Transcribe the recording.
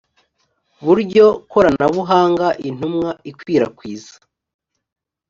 buryo koranabuhanga intumwa ikwirakwiza